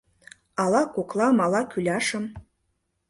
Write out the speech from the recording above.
Ала коклам, ала кӱляшым